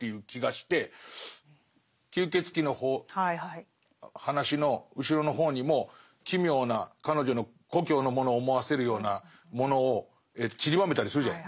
吸血鬼の話の後ろの方にも奇妙な彼女の故郷のものを思わせるようなものをちりばめたりするじゃない。